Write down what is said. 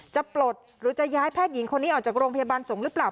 ปลดหรือจะย้ายแพทย์หญิงคนนี้ออกจากโรงพยาบาลสงฆ์หรือเปล่า